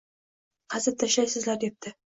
"Qazib tashlaysizlar! debdi.